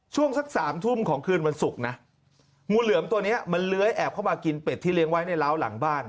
ช่วงสักสามทุ่มของคืนวันศุกร์นะงูเหลือมตัวนี้มันเลื้อยแอบเข้ามากินเป็ดที่เลี้ยงไว้ในร้าวหลังบ้าน